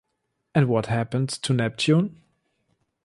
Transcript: And what happens to Neptune?